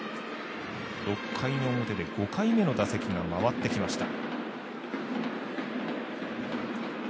６回の表で５回目の打席が回ってきました。